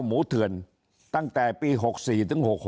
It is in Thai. หมูเถิญตั้งแต่ปี๖๔๖๖